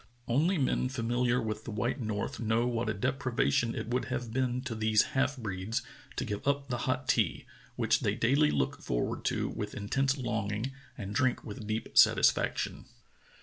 Only men familiar with the white north know what a deprivation it would have been to these half breeds to give up the hot tea, which they daily look forward to with intense longing and drink with deep satisfaction.